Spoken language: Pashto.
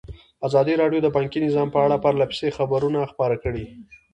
ازادي راډیو د بانکي نظام په اړه پرله پسې خبرونه خپاره کړي.